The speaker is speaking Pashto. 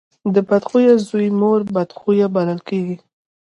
د بد خويه زوی مور هم بد خويه بلل کېږي.